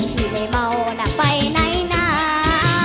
พี่ไม่เหมาแล้วไปไหนนา